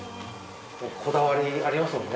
こだわりありますもんね